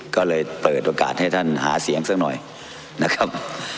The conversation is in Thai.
ก็เลยเปิดโอกาสให้ท่านหาเสียงสักหน่อยนะครับ